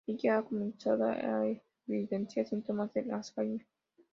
Ella ha comenzado a evidenciar síntomas del Alzheimer.